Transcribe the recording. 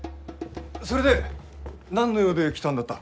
それで何の用で来たんだった？